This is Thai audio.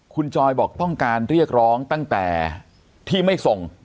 คุณจอยบอกต้องการเรียกร้องตั้งแต่ที่ไม่ส่ง